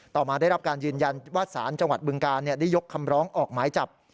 มาได้รับการยืนยันว่าสารจังหวัดบึงการได้ยกคำร้องออกหมายจับ